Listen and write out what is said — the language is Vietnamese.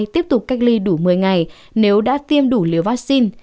tiếp tục cách ly đủ một mươi ngày nếu đã tiêm đủ liều vaccine